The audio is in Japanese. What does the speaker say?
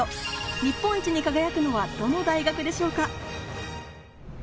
日本一に輝くのはどの大学でしょうか。